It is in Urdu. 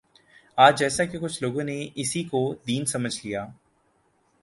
آج جیساکہ کچھ لوگوں نے اسی کو دین سمجھ لیا